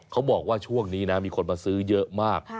เขาบอกว่าช่วงนี้นะมีคนมาซื้อเยอะมาก